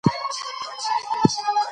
بيت